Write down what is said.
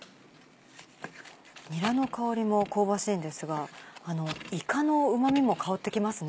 にらの香りも香ばしいんですがいかのうま味も香ってきますね。